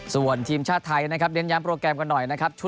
ส่วนทีมชาติไทยนะครับเน้นย้ำโปรแกรมกันหน่อยนะครับ